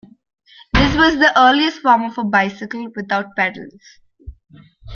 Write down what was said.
This was the earliest form of a bicycle, without pedals.